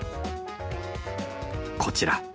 こちら！